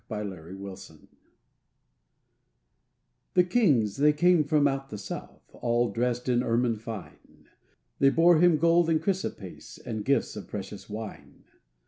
Christmas Carol The kings they came from out the south, All dressed in ermine fine, They bore Him gold and chrysoprase, And gifts of precious wine.